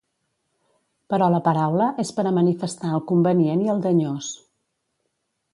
Però la paraula és per a manifestar el convenient i el danyós.